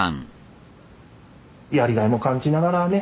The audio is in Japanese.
やりがいも感じながらね